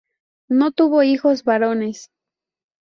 No tuvo hijos varones.